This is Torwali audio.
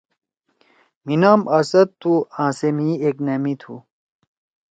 مھی نام اسد تُھو آں سے مھی ایک نأمی تُھو۔